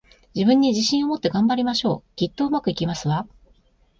自分に自信を持って、頑張りましょう！きっと、上手くいきますわ